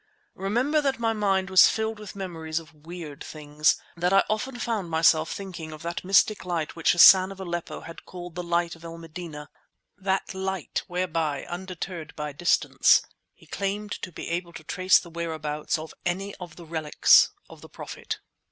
Remember that my mind was filled with memories of weird things, that I often found myself thinking of that mystic light which Hassan of Aleppo had called the light of El Medineh—that light whereby, undeterred by distance, he claimed to be able to trace the whereabouts of any of the relics of the Prophet.